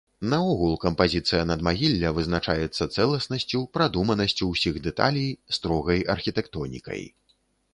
Наогул кампазіцыя надмагілля вызначаецца цэласнасцю, прадуманасцю ўсіх дэталей, строгай архітэктонікай.